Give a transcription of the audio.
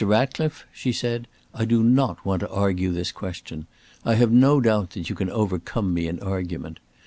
Ratcliffe," she said, "I do not want to argue this question. I have no doubt that you can overcome me in argument.